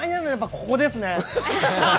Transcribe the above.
ここですね。